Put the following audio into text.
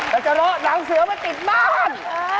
เราจะรอน้ำเสือมาติดบ้าน